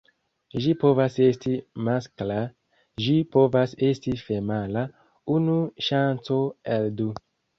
Ĝi povas esti maskla, ĝi povas esti femala: unu ŝanco el du.